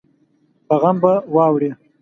په غم به واوړې